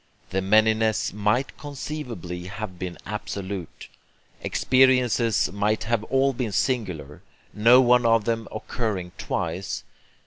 The manyness might conceivably have been absolute. Experiences might have all been singulars, no one of them occurring twice.